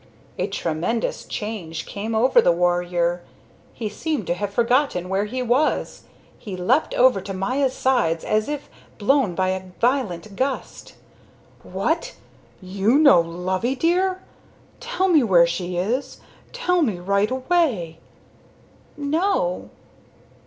A tremendous change came over the warrior. He seemed to have forgotten where he was. He leapt over to Maya's sides as if blown by a violent gust. "What! You know Loveydear? Tell me where she is. Tell me, right away." "No."